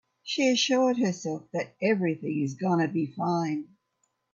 She assured herself that everything is gonna be fine.